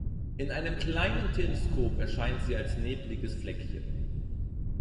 In einem kleinen Teleskop erscheint sie als nebliges Fleckchen.